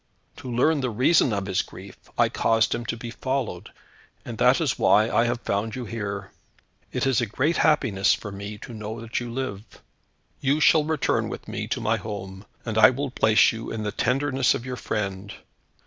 To learn the reason of his grief, I caused him to be followed, and that is why I have found you here. It is a great happiness for me to know that you live. You shall return with me to my home, and I will place you in the tenderness of your friend.